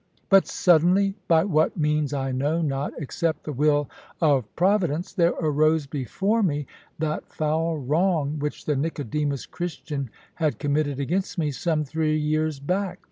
But suddenly, by what means I know not, except the will of Providence, there arose before me that foul wrong which the Nicodemus Christian had committed against me some three years back.